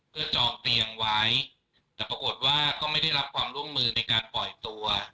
เพื่อจองเตียงไว้แต่ปรากฏว่าก็ไม่ได้รับความร่วมมือในการปล่อยตัว